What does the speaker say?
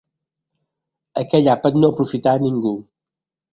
Aquell àpat no aprofità a ningú.